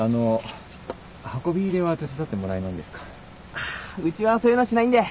あうちはそういうのしないんで。